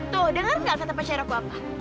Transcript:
tuh denger ga kata kata pencerahku apa